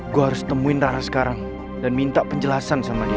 gue harus temuin rara sekarang dan minta penjelasan sama dia